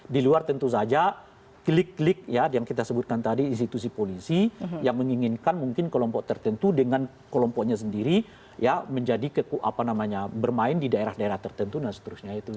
di luar tentu saja klik klik ya yang kita sebutkan tadi institusi polisi yang menginginkan mungkin kelompok tertentu dengan kelompoknya sendiri ya menjadi bermain di daerah daerah tertentu dan seterusnya itu